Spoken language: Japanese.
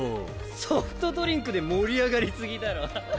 ソフトドリンクで盛り上がり過ぎだろ。